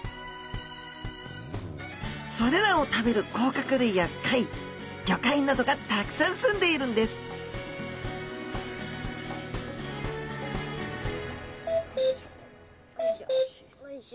それらを食べる甲殻類や貝ゴカイなどがたくさん住んでいるんですよいしょ。